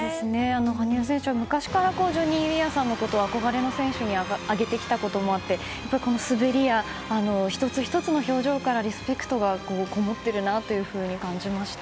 羽生選手は昔からジョニー・ウィアーさんのことを憧れの選手に挙げてきたこともあってすべりや１つ１つの表情からリスペクトがこもっているなと感じました。